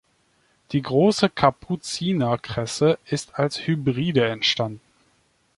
Die Große Kapuzinerkresse ist als Hybride entstanden.